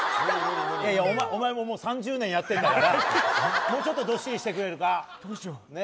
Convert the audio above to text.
お前、もう３０年やってるんだからもうちょっとどっしりしてくれるか？